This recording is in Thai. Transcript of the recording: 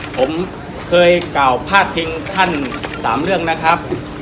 ผมเคยกล่าวพาดพิงท่าน๓เรื่องนะครับ